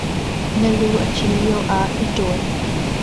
Na lu a cin lioah i ṭawl.